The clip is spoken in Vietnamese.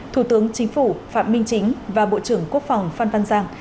thủ tướng chính phủ phạm minh chính và bộ trưởng quốc phòng phan văn giang